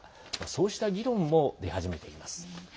そうした議論も出始めています。